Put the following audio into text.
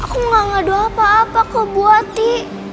aku gak ngadu apa apa ke bu ati